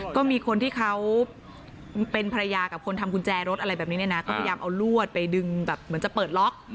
ก็มีคนที่เขาเป็นภรรยากับคนทำกุญแจรถอะไรแบบนี้เนี่ยนะก็พยายามเอาลวดไปดึงแบบเหมือนจะเปิดล็อก